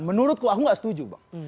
menurutku aku gak setuju bang